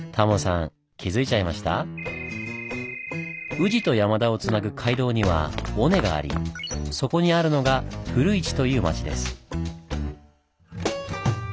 宇治と山田をつなぐ街道には尾根がありそこにあるのが「古市」という町です。